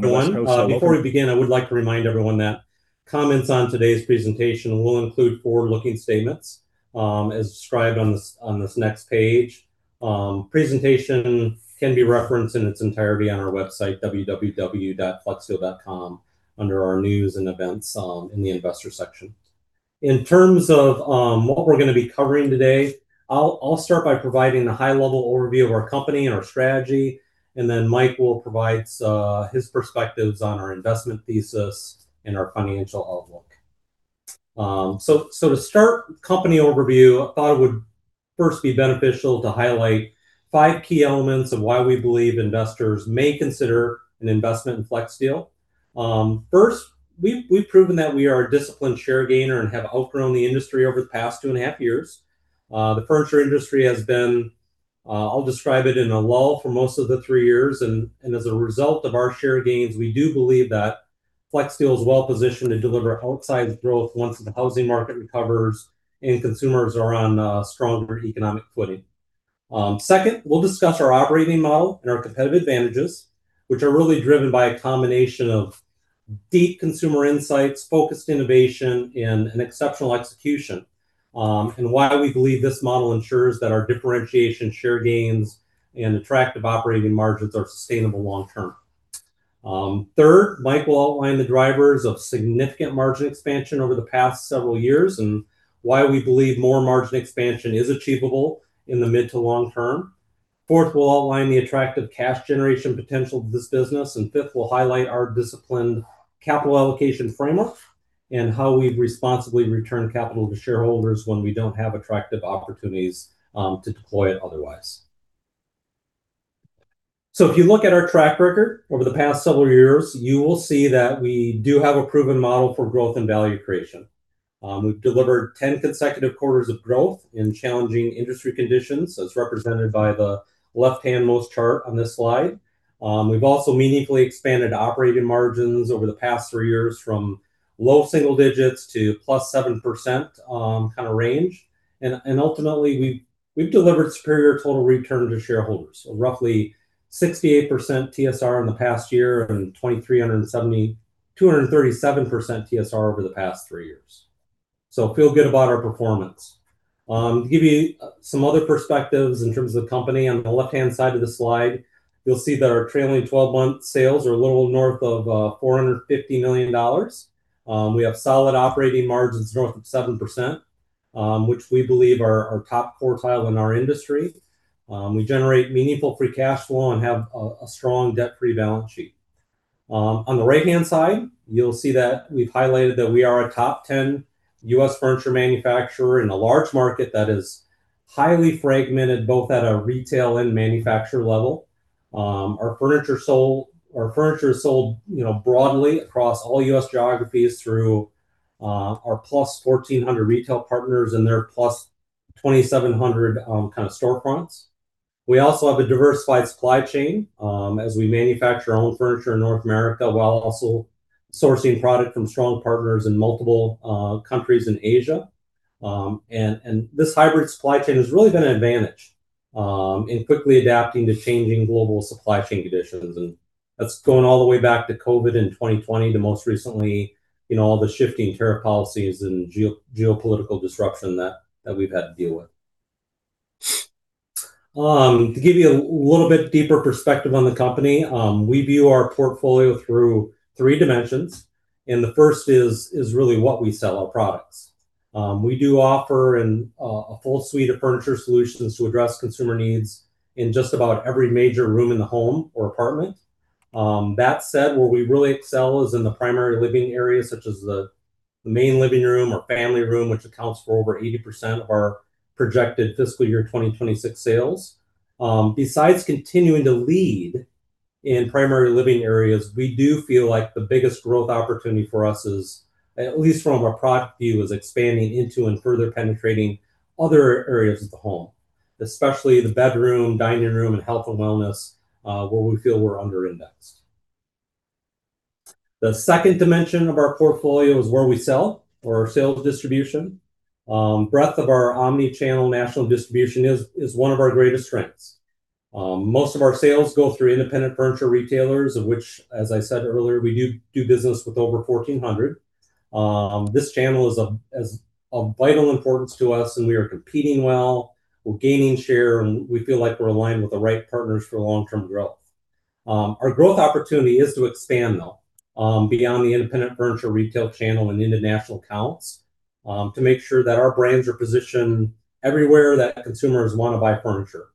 One. Before we begin, I would like to remind everyone that comments on today's presentation will include forward-looking statements, as described on this next page. Presentation can be referenced in its entirety on our website flexsteel.com under our News and Events in the investors section. In terms of what we're going to be covering today, I'll start by providing a high-level overview of our company and our strategy, and then Mike will provide his perspectives on our investment thesis and our financial outlook. To start company overview, I thought it would first be beneficial to highlight five key elements of why we believe investors may consider an investment in Flexsteel. First, we've proven that we are a disciplined share gainer and have outgrown the industry over the past two and a half years. The furniture industry has been, I'll describe it, in a lull for most of the three years. As a result of our share gains, we do believe that Flexsteel is well-positioned to deliver outsized growth once the housing market recovers and consumers are on stronger economic footing. Second, we'll discuss our operating model and our competitive advantages, which are really driven by a combination of deep consumer insights, focused innovation, and an exceptional execution. Why we believe this model ensures that our differentiation, share gains, and attractive operating margins are sustainable long term. Third, Mike will outline the drivers of significant margin expansion over the past several years, and why we believe more margin expansion is achievable in the mid to long term. Fourth, we'll outline the attractive cash generation potential of this business. Fifth, we'll highlight our disciplined capital allocation framework and how we've responsibly returned capital to shareholders when we don't have attractive opportunities to deploy it otherwise. If you look at our track record over the past several years, you will see that we do have a proven model for growth and value creation. We've delivered 10 consecutive quarters of growth in challenging industry conditions, as represented by the left-hand most chart on this slide. We've also meaningfully expanded operating margins over the past three years from low single digits to +7% kind of range. Ultimately, we've delivered superior total return to shareholders of roughly 68% TSR in the past year and 237% TSR over the past three years. Feel good about our performance. To give you some other perspectives in terms of the company, on the left-hand side of the slide, you'll see that our trailing 12-month sales are a little north of $450 million. We have solid operating margins north of 7%, which we believe are top quartile in our industry. We generate meaningful free cash flow and have a strong debt-free balance sheet. On the right-hand side, you'll see that we've highlighted that we are a top 10 U.S. furniture manufacturer in a large market that is highly fragmented, both at a retail and manufacturer level. Our furniture is sold broadly across all U.S. geographies through our +1,400 retail partners and their plus 2,700 kind of storefronts. We also have a diversified supply chain as we manufacture our own furniture in North America, while also sourcing product from strong partners in multiple countries in Asia. This hybrid supply chain has really been an advantage in quickly adapting to changing global supply chain conditions. That's going all the way back to COVID in 2020, to most recently, all the shifting tariff policies and geopolitical disruption that we've had to deal with. To give you a little bit deeper perspective on the company, we view our portfolio through three dimensions, and the first is really what we sell, our products. We do offer a full suite of furniture solutions to address consumer needs in just about every major room in the home or apartment. That said, where we really excel is in the primary living areas such as the main living room or family room, which accounts for over 80% of our projected fiscal year 2026 sales. Besides continuing to lead in primary living areas, we do feel like the biggest growth opportunity for us is, at least from a product view, is expanding into and further penetrating other areas of the home, especially the bedroom, dining room, and health and wellness, where we feel we're under-indexed. The second dimension of our portfolio is where we sell or our sales distribution. Breadth of our omni-channel national distribution is one of our greatest strengths. Most of our sales go through independent furniture retailers, of which, as I said earlier, we do business with over 1,400. This channel is of vital importance to us, and we are competing well. We're gaining share, and we feel like we're aligned with the right partners for long-term growth. Our growth opportunity is to expand, though, beyond the independent furniture retail channel and into national accounts, to make sure that our brands are positioned everywhere that consumers want to buy furniture.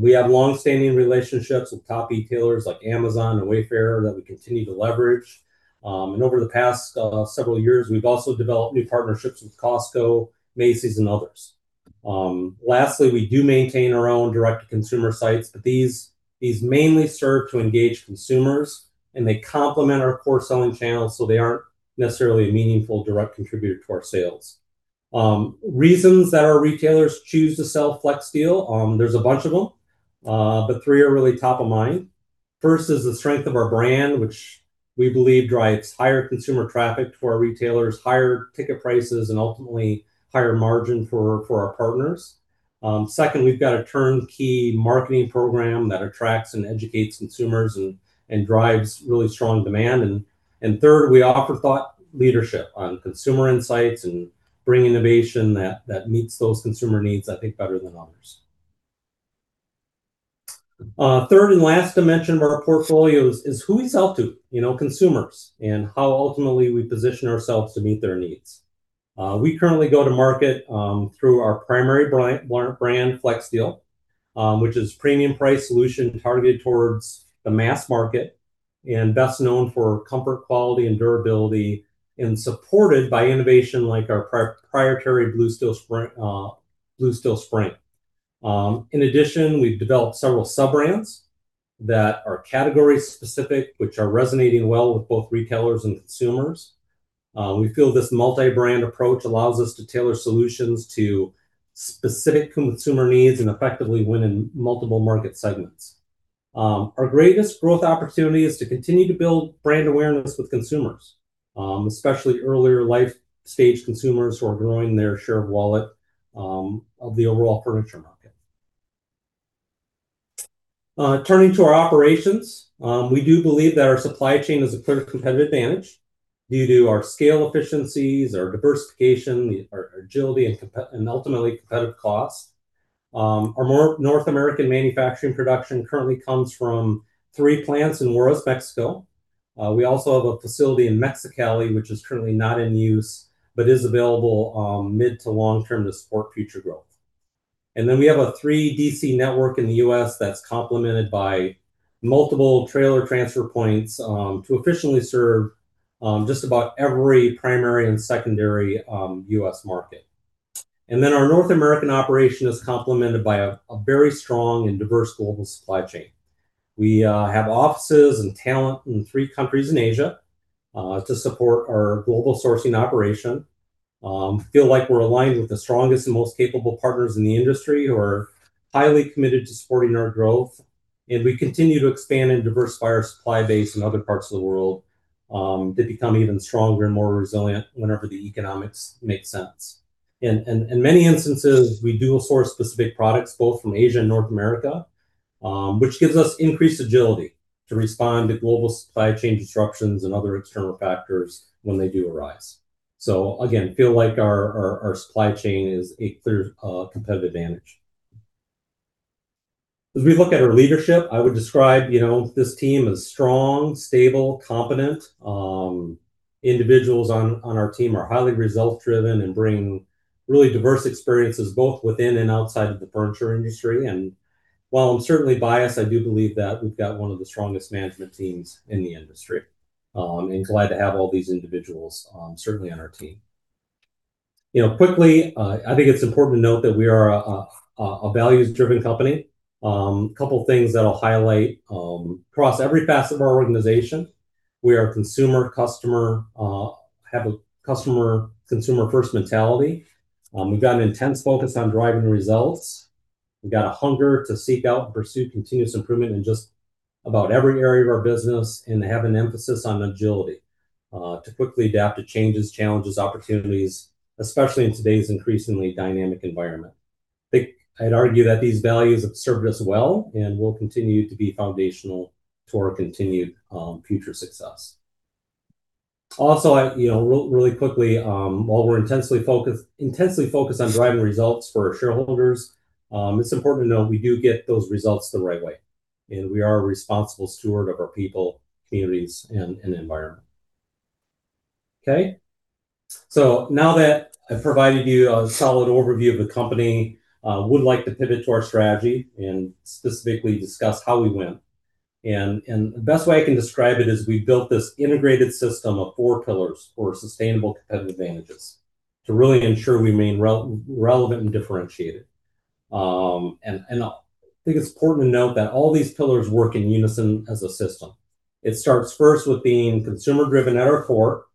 We have longstanding relationships with top retailers like Amazon and Wayfair that we continue to leverage. Over the past several years, we've also developed new partnerships with Costco, Macy's, and others. Lastly, we do maintain our own direct-to-consumer sites, but these mainly serve to engage consumers, and they complement our core selling channels, so they aren't necessarily a meaningful direct contributor to our sales. Reasons that our retailers choose to sell Flexsteel, there's a bunch of them, but three are really top of mind. First is the strength of our brand, which we believe drives higher consumer traffic to our retailers, higher ticket prices, and ultimately higher margin for our partners. Second, we've got a turnkey marketing program that attracts and educates consumers and drives really strong demand. Third, we offer thought leadership on consumer insights and bring innovation that meets those consumer needs, I think, better than others. Third and last dimension of our portfolios is who we sell to, consumers, and how ultimately we position ourselves to meet their needs. We currently go to market through our primary brand, Flexsteel, which is a premium price solution targeted towards the mass market and best known for comfort, quality, and durability, and supported by innovation like our proprietary Blue Steel Spring. In addition, we've developed several sub-brands that are category specific, which are resonating well with both retailers and consumers. We feel this multi-brand approach allows us to tailor solutions to specific consumer needs and effectively win in multiple market segments. Our greatest growth opportunity is to continue to build brand awareness with consumers, especially earlier life stage consumers who are growing their share of wallet of the overall furniture market. Turning to our operations, we do believe that our supply chain is a clear competitive advantage due to our scale efficiencies, our diversification, our agility, and ultimately competitive cost. Our North American manufacturing production currently comes from three plants in Juarez, Mexico. We also have a facility in Mexicali, which is currently not in use, but is available mid to long term to support future growth. We have a three DC network in the U.S. that's complemented by multiple trailer transfer points to efficiently serve just about every primary and secondary U.S. market. Our North American operation is complemented by a very strong and diverse global supply chain. We have offices and talent in three countries in Asia to support our global sourcing operation. Feel like we're aligned with the strongest and most capable partners in the industry who are highly committed to supporting our growth. We continue to expand and diversify our supply base in other parts of the world to become even stronger and more resilient whenever the economics make sense. In many instances, we do source specific products both from Asia and North America, which gives us increased agility to respond to global supply chain disruptions and other external factors when they do arise. Again, feel like our supply chain is a clear competitive advantage. As we look at our leadership, I would describe this team as strong, stable, competent. Individuals on our team are highly result driven and bring really diverse experiences, both within and outside of the furniture industry. While I'm certainly biased, I do believe that we've got one of the strongest management teams in the industry, and glad to have all these individuals certainly on our team. Quickly, I think it's important to note that we are a values driven company. Couple things that I'll highlight. Across every facet of our organization, we have a customer consumer first mentality. We've got an intense focus on driving results. We've got a hunger to seek out and pursue continuous improvement in just about every area of our business and have an emphasis on agility to quickly adapt to changes, challenges, opportunities, especially in today's increasingly dynamic environment. I think I'd argue that these values have served us well and will continue to be foundational to our continued future success. Also, really quickly, while we're intensely focused on driving results for our shareholders, it's important to know we do get those results the right way, and we are a responsible steward of our people, communities, and environment. Okay. Now that I've provided you a solid overview of the company, would like to pivot to our strategy and specifically discuss how we win. The best way I can describe it is we've built this integrated system of four pillars for sustainable competitive advantages to really ensure we remain relevant and differentiated. I think it's important to note that all these pillars work in unison as a system. It starts first with being consumer driven at our core,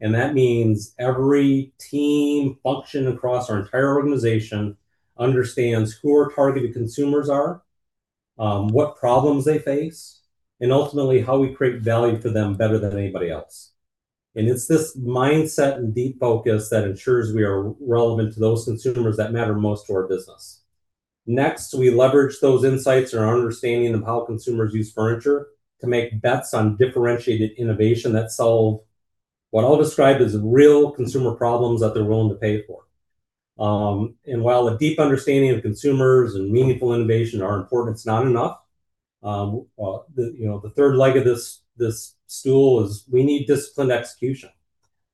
and that means every team function across our entire organization understands who our targeted consumers are, what problems they face, and ultimately how we create value for them better than anybody else. It's this mindset and deep focus that ensures we are relevant to those consumers that matter most to our business. Next, we leverage those insights and our understanding of how consumers use furniture to make bets on differentiated innovation that solve what I'll describe as real consumer problems that they're willing to pay for. While a deep understanding of consumers and meaningful innovation are important, it's not enough. The third leg of this stool is we need disciplined execution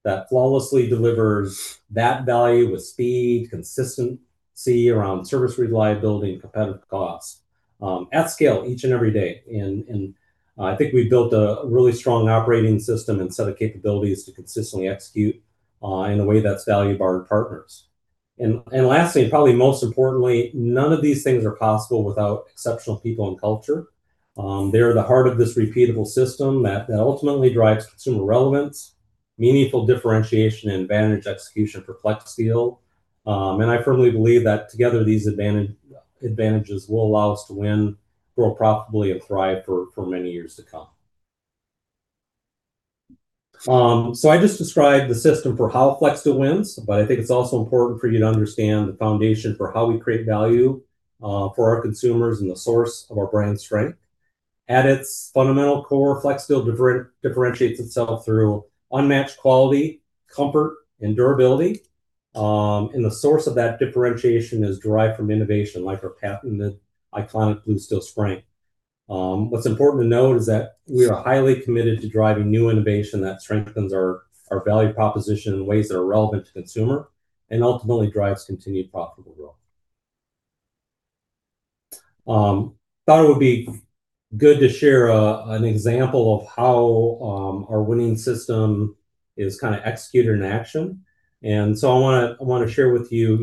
that flawlessly delivers that value with speed, consistency around service reliability and competitive cost at scale each and every day. I think we've built a really strong operating system and set of capabilities to consistently execute in a way that's valued by our partners. Lastly, and probably most importantly, none of these things are possible without exceptional people and culture. They're the heart of this repeatable system that ultimately drives consumer relevance, meaningful differentiation, and vantage execution for Flexsteel. I firmly believe that together, these advantages will allow us to win, grow profitably, and thrive for many years to come. I just described the system for how Flexsteel wins, I think it's also important for you to understand the foundation for how we create value for our consumers and the source of our brand strength. At its fundamental core, Flexsteel differentiates itself through unmatched quality, comfort, and durability. The source of that differentiation is derived from innovation, like our patented iconic Blue Steel Spring. What's important to note is that we are highly committed to driving new innovation that strengthens our value proposition in ways that are relevant to consumer and ultimately drives continued profitable growth. Thought it would be good to share an example of how our winning system is kind of executed in action. I want to share with you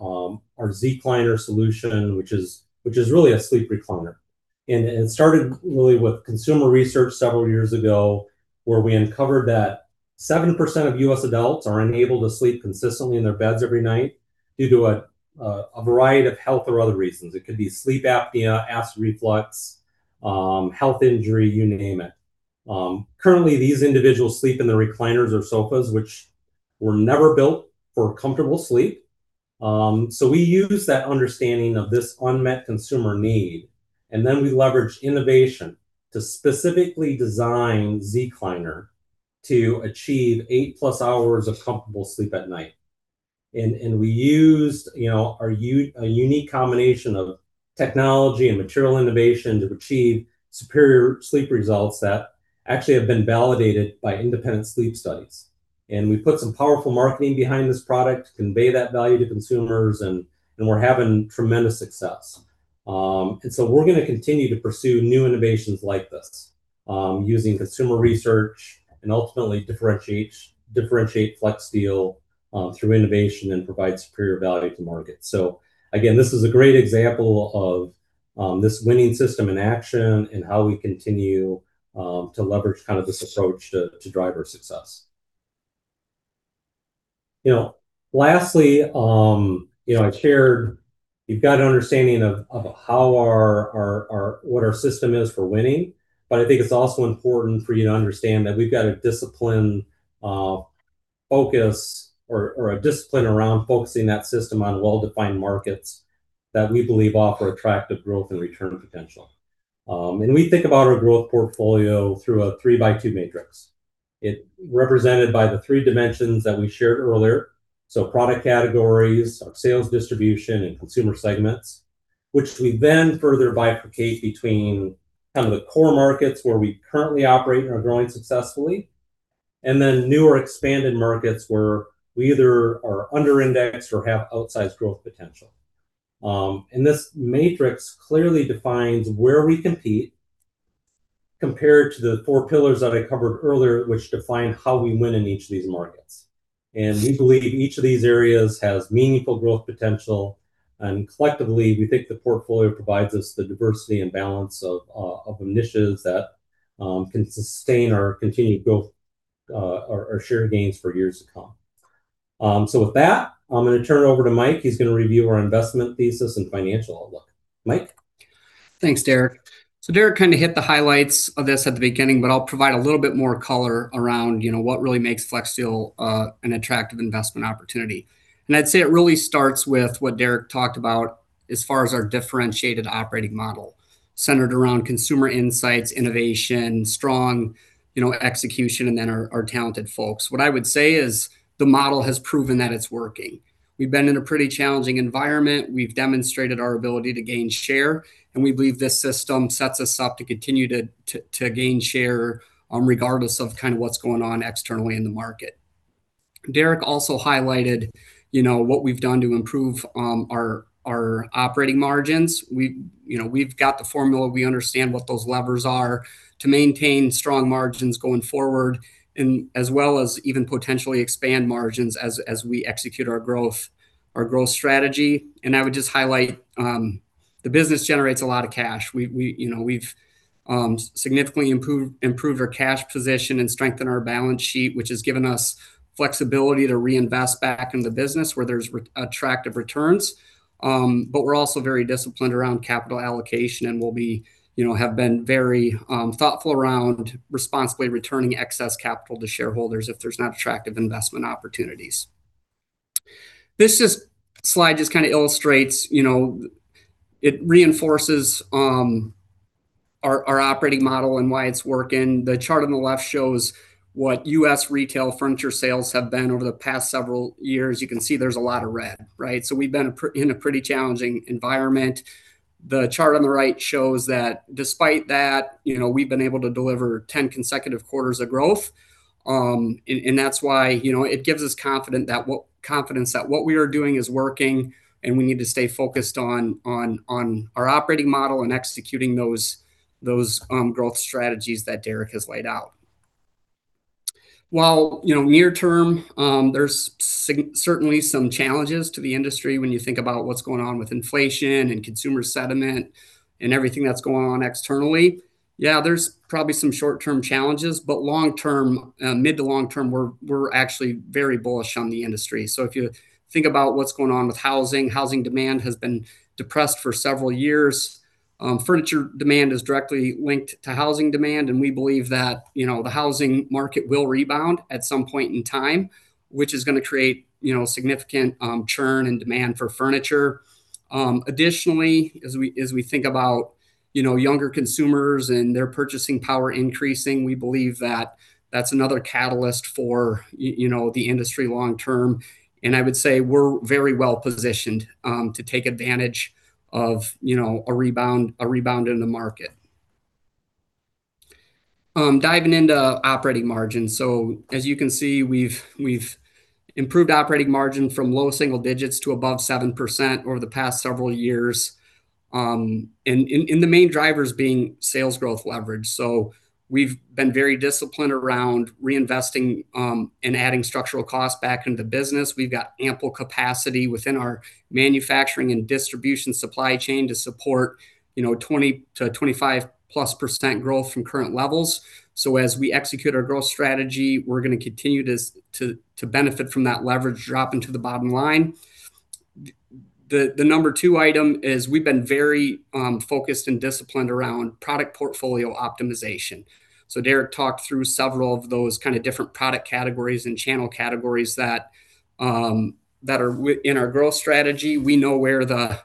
our Zecliner solution, which is really a sleep recliner. It started really with consumer research several years ago, where we uncovered that 70% of U.S. adults are unable to sleep consistently in their beds every night due to a variety of health or other reasons. It could be sleep apnea, acid reflux, health injury, you name it. Currently, these individuals sleep in their recliners or sofas, which were never built for comfortable sleep. We use that understanding of this unmet consumer need, and then we leverage innovation to specifically design Zecliner to achieve 8+ hours of comfortable sleep at night. We used a unique combination of technology and material innovation to achieve superior sleep results that actually have been validated by independent sleep studies. We put some powerful marketing behind this product to convey that value to consumers, and we're having tremendous success. We're going to continue to pursue new innovations like this, using consumer research and ultimately differentiate Flexsteel through innovation and provide superior value to market. Again, this is a great example of this winning system in action and how we continue to leverage this approach to drive our success. Lastly, you've got an understanding of what our system is for winning, but I think it's also important for you to understand that we've got a discipline around focusing that system on well-defined markets that we believe offer attractive growth and return potential. We think about our growth portfolio through a three-by-two matrix. Represented by the three dimensions that we shared earlier, so product categories, our sales distribution, and consumer segments, which we then further bifurcate between the core markets where we currently operate and are growing successfully, and then new or expanded markets where we either are under-indexed or have outsized growth potential. This matrix clearly defines where we compete compared to the four pillars that I covered earlier, which define how we win in each of these markets. We believe each of these areas has meaningful growth potential, and collectively, we think the portfolio provides us the diversity and balance of initiatives that can sustain our continued growth or share gains for years to come. With that, I'm going to turn it over to Mike. He's going to review our investment thesis and financial outlook. Mike? Thanks, Derek. Derek kind of hit the highlights of this at the beginning, but I'll provide a little bit more color around what really makes Flexsteel an attractive investment opportunity. I'd say it really starts with what Derek talked about as far as our differentiated operating model, centered around consumer insights, innovation, strong execution, and then our talented folks. What I would say is the model has proven that it's working. We've been in a pretty challenging environment. We've demonstrated our ability to gain share, and we believe this system sets us up to continue to gain share regardless of what's going on externally in the market. Derek also highlighted what we've done to improve our operating margins. We've got the formula. We understand what those levers are to maintain strong margins going forward, as well as even potentially expand margins as we execute our growth strategy. I would just highlight, the business generates a lot of cash. We've significantly improved our cash position and strengthened our balance sheet, which has given us flexibility to reinvest back in the business where there's attractive returns. We're also very disciplined around capital allocation and have been very thoughtful around responsibly returning excess capital to shareholders if there's not attractive investment opportunities. This slide just kind of illustrates, it reinforces our operating model and why it's working. The chart on the left shows what U.S. retail furniture sales have been over the past several years. You can see there's a lot of red. We've been in a pretty challenging environment. The chart on the right shows that despite that, we've been able to deliver 10 consecutive quarters of growth. That's why it gives us confidence that what we are doing is working, and we need to stay focused on our operating model and executing those growth strategies that Derek has laid out. While near term, there's certainly some challenges to the industry when you think about what's going on with inflation and consumer sentiment and everything that's going on externally. There's probably some short-term challenges, but mid to long-term, we're actually very bullish on the industry. If you think about what's going on with housing demand has been depressed for several years. Furniture demand is directly linked to housing demand, and we believe that the housing market will rebound at some point in time, which is going to create significant churn and demand for furniture. Additionally, as we think about younger consumers and their purchasing power increasing, we believe that that's another catalyst for the industry long term. I would say we're very well-positioned to take advantage of a rebound in the market. Diving into operating margins. As you can see, we've improved operating margin from low single digits to above 7% over the past several years, and the main driver is being sales growth leverage. We've been very disciplined around reinvesting and adding structural costs back into the business. We've got ample capacity within our manufacturing and distribution supply chain to support 20%-25%+ growth from current levels. As we execute our growth strategy, we're going to continue to benefit from that leverage dropping to the bottom line. The number two item is we've been very focused and disciplined around product portfolio optimization. Derek talked through several of those kind of different product categories and channel categories that are in our growth strategy. We know where the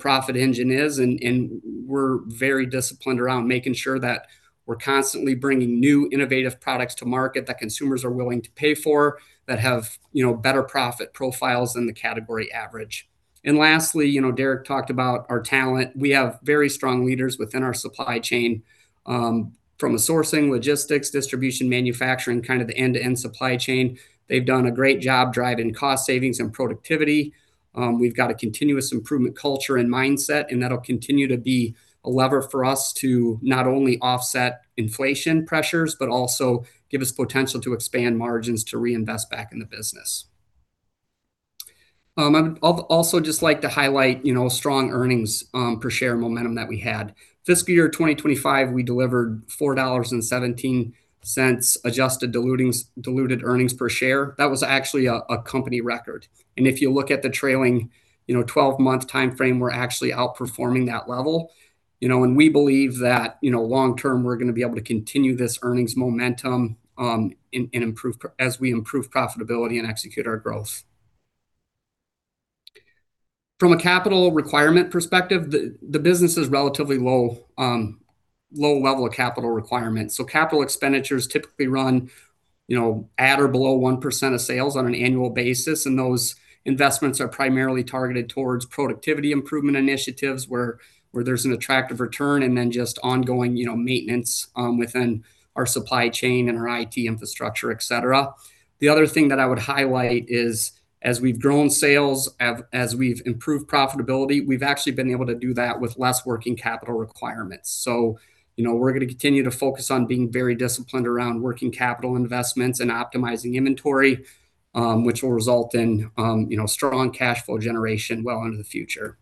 profit engine is, and we're very disciplined around making sure that we're constantly bringing new, innovative products to market that consumers are willing to pay for, that have better profit profiles than the category average. Lastly, Derek talked about our talent. We have very strong leaders within our supply chain, from a sourcing, logistics, distribution, manufacturing, kind of the end-to-end supply chain. They've done a great job driving cost savings and productivity. We've got a continuous improvement culture and mindset, and that'll continue to be a lever for us to not only offset inflation pressures, but also give us potential to expand margins to reinvest back in the business. I'd also just like to highlight strong earnings per share momentum that we had. Fiscal year 2025, we delivered $4.17 adjusted diluted earnings per share. That was actually a company record. If you look at the trailing 12-month timeframe, we're actually outperforming that level. We believe that long term, we're going to be able to continue this earnings momentum as we improve profitability and execute our growth. From a capital requirement perspective, the business is relatively low level of capital requirement. Capital expenditures typically run at or below 1% of sales on an annual basis, and those investments are primarily targeted towards productivity improvement initiatives, where there's an attractive return, and then just ongoing maintenance within our supply chain and our IT infrastructure, et cetera. The other thing that I would highlight is as we've grown sales, as we've improved profitability, we've actually been able to do that with less working capital requirements. We're going to continue to focus on being very disciplined around working capital investments and optimizing inventory, which will result in strong cash flow generation well into the future.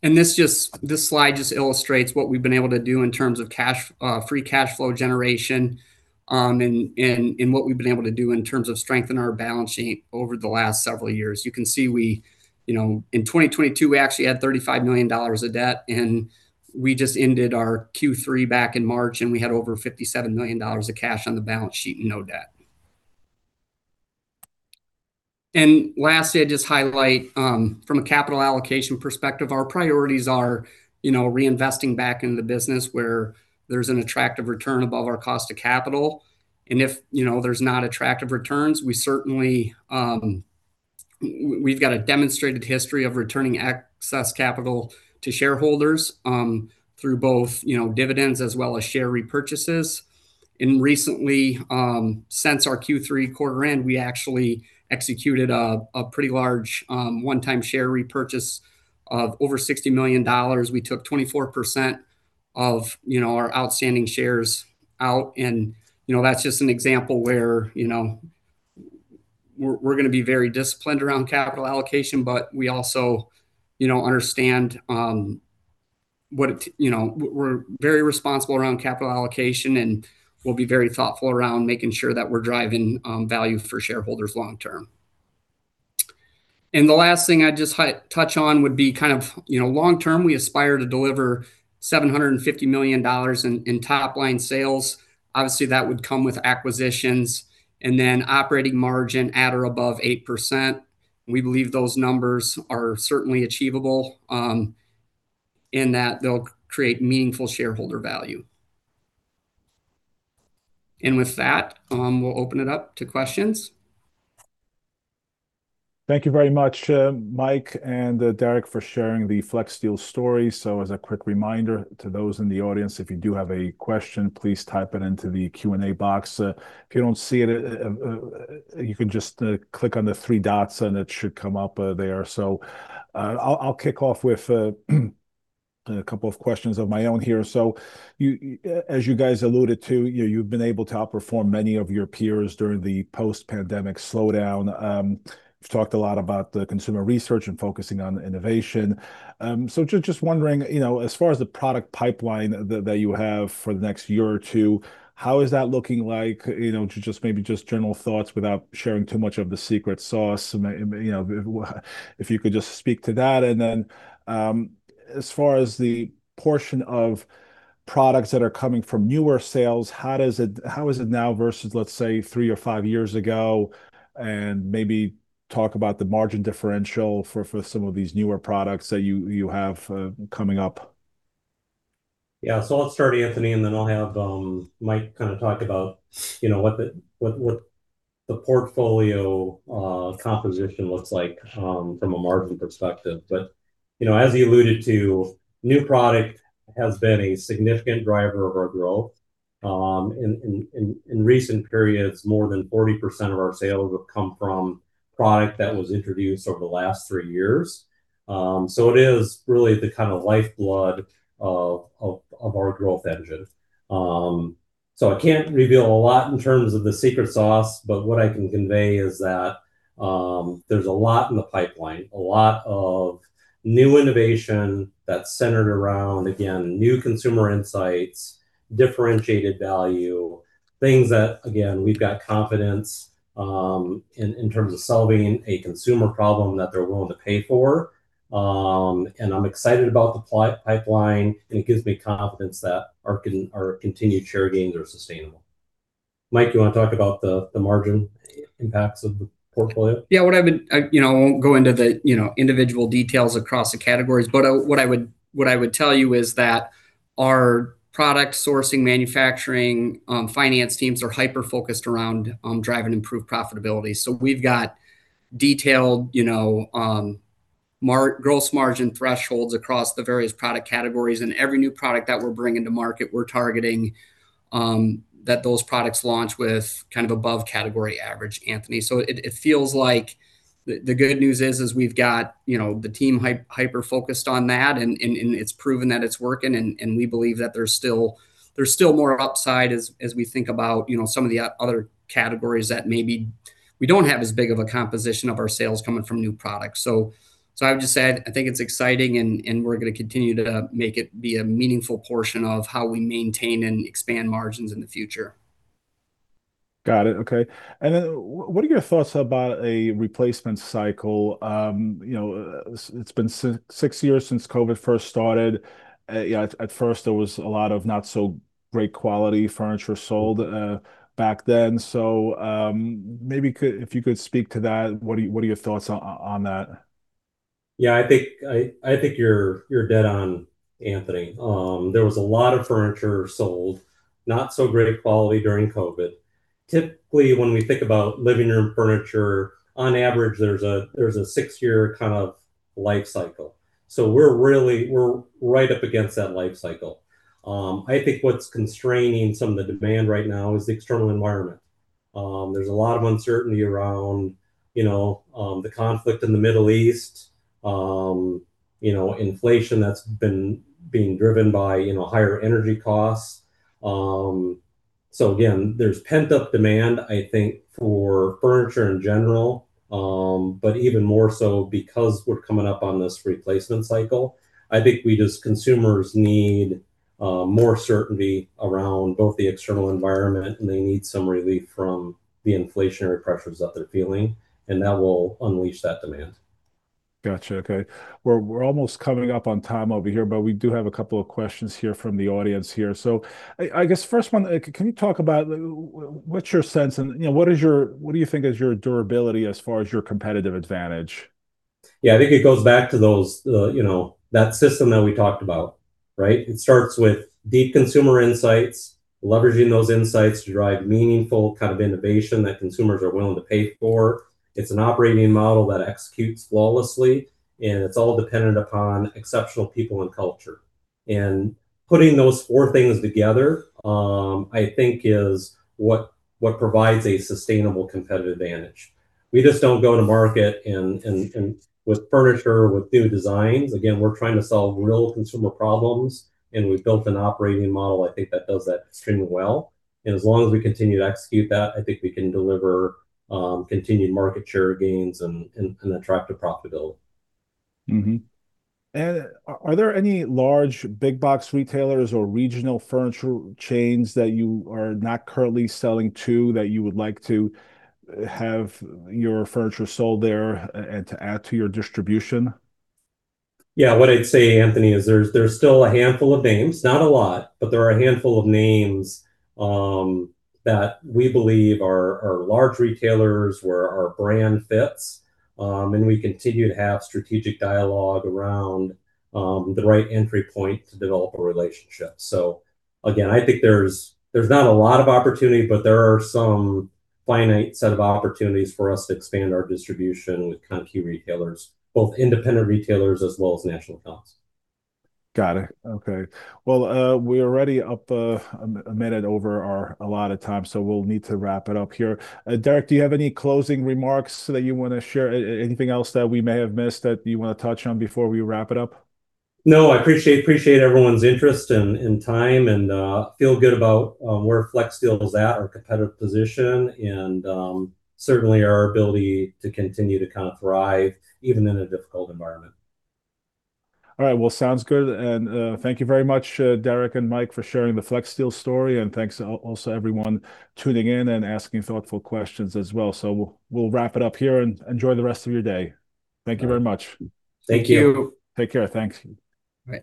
This slide just illustrates what we've been able to do in terms of free cash flow generation and what we've been able to do in terms of strengthening our balance sheet over the last several years. You can see in 2022, we actually had $35 million of debt, and we just ended our Q3 back in March, and we had over $57 million of cash on the balance sheet and no debt. Lastly, I'd just highlight from a capital allocation perspective, our priorities are reinvesting back in the business where there's an attractive return above our cost of capital. If there's not attractive returns, we've got a demonstrated history of returning excess capital to shareholders through both dividends as well as share repurchases. Recently, since our Q3 quarter end, we actually executed a pretty large one-time share repurchase of over $60 million. We took 24% of our outstanding shares out, that's just an example where we're going to be very disciplined around capital allocation, but we're very responsible around capital allocation, and we'll be very thoughtful around making sure that we're driving value for shareholders long term. The last thing I'd just touch on would be kind of long term, we aspire to deliver $750 million in top-line sales. Obviously, that would come with acquisitions. Then operating margin at or above 8%. We believe those numbers are certainly achievable, in that they'll create meaningful shareholder value. With that, we'll open it up to questions. Thank you very much, Mike and Derek for sharing the Flexsteel story. As a quick reminder to those in the audience, if you do have a question, please type it into the Q&A box. If you don't see it, you can just click on the three dots, and it should come up there. I'll kick off with a couple of questions of my own here. As you guys alluded to, you've been able to outperform many of your peers during the post-pandemic slowdown. You've talked a lot about the consumer research and focusing on innovation. Just wondering, as far as the product pipeline that you have for the next year or two, how is that looking like? Just maybe general thoughts without sharing too much of the secret sauce. If you could just speak to that, and then as far as the portion of products that are coming from newer sales, how is it now versus, let's say, three or five years ago? Maybe talk about the margin differential for some of these newer products that you have coming up. Yeah. I'll start, Anthony, and then I'll have Mike kind of talk about what the portfolio composition looks like from a margin perspective. As he alluded to, new product has been a significant driver of our growth. In recent periods, more than 40% of our sales have come from product that was introduced over the last three years. It is really the kind of lifeblood of our growth engine. I can't reveal a lot in terms of the secret sauce, but what I can convey is that there's a lot in the pipeline, a lot of new innovation that's centered around, again, new consumer insights, differentiated value, things that, again, we've got confidence in terms of solving a consumer problem that they're willing to pay for. I'm excited about the pipeline, and it gives me confidence that our continued share gains are sustainable. Mike, you want to talk about the margin impacts of the portfolio? Yeah. I won't go into the individual details across the categories, but what I would tell you is that our product sourcing, manufacturing, finance teams are hyper-focused around driving improved profitability. We've got detailed gross margin thresholds across the various product categories, and every new product that we're bringing to market, we're targeting that those products launch with kind of above category average, Anthony. It feels like the good news is we've got the team hyper-focused on that, and it's proven that it's working, and we believe that there's still more upside as we think about some of the other categories that maybe we don't have as big of a composition of our sales coming from new products. I would just add, I think it's exciting, and we're going to continue to make it be a meaningful portion of how we maintain and expand margins in the future. Got it. Okay. What are your thoughts about a replacement cycle? It's been six years since COVID first started. At first, there was a lot of not so great quality furniture sold back then. Maybe if you could speak to that. What are your thoughts on that? Yeah, I think you're dead on, Anthony. There was a lot of furniture sold, not so great quality during COVID. Typically, when we think about living room furniture, on average, there's a six-year kind of life cycle. We're right up against that life cycle. I think what's constraining some of the demand right now is the external environment. There's a lot of uncertainty around the conflict in the Middle East, inflation that's been being driven by higher energy costs. Again, there's pent-up demand, I think, for furniture in general, but even more so because we're coming up on this replacement cycle. I think we, as consumers, need more certainty around both the external environment, and they need some relief from the inflationary pressures that they're feeling, and that will unleash that demand. Got you. Okay. We're almost coming up on time over here, but we do have a couple of questions here from the audience here. I guess first one, can you talk about what's your sense and what do you think is your durability as far as your competitive advantage? Yeah, I think it goes back to that system that we talked about, right? It starts with deep consumer insights, leveraging those insights to drive meaningful kind of innovation that consumers are willing to pay for. It's an operating model that executes flawlessly, and it's all dependent upon exceptional people and culture. Putting those four things together, I think is what provides a sustainable competitive advantage. We just don't go to market with furniture, with new designs. Again, we're trying to solve real consumer problems, and we've built an operating model, I think, that does that extremely well. As long as we continue to execute that, I think we can deliver continued market share gains and attractive profitability. Are there any large big box retailers or regional furniture chains that you are not currently selling to that you would like to have your furniture sold there and to add to your distribution? Yeah. What I'd say, Anthony, is there's still a handful of names, not a lot, but there are a handful of names that we believe are large retailers where our brand fits. We continue to have strategic dialogue around the right entry point to develop a relationship. Again, I think there's not a lot of opportunity, but there are some finite set of opportunities for us to expand our distribution with kind of key retailers, both independent retailers as well as national accounts. Got it. Okay. Well, we're already up a minute over our allotted time, so we'll need to wrap it up here. Derek, do you have any closing remarks that you want to share? Anything else that we may have missed that you want to touch on before we wrap it up? I appreciate everyone's interest and time, and feel good about where Flexsteel is at, our competitive position, and certainly our ability to continue to kind of thrive even in a difficult environment. All right. Well, sounds good. Thank you very much, Derek and Mike, for sharing the Flexsteel story. Thanks also everyone tuning in and asking thoughtful questions as well. We'll wrap it up here, and enjoy the rest of your day. Thank you very much. Thank you. Thank you. Take care. Thanks.